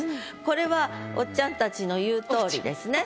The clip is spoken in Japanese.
これはおっちゃんたちの言う通りですね。